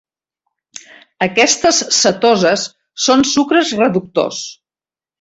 Aquestes cetoses són sucres reductors.